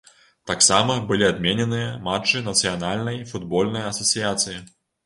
Таксама былі адмененыя матчы нацыянальнай футбольнай асацыяцыі.